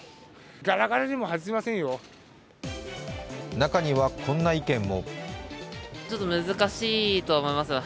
中にはこんな意見も。